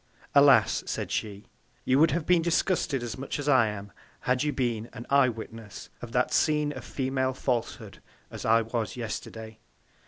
Alas! said she, you would have been disgusted as much as I am, had you been an Eye witness of that Scene of Female Falshood, as I was Yesterday.